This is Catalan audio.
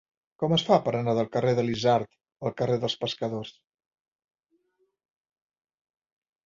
Com es fa per anar del carrer de l'Isard al carrer dels Pescadors?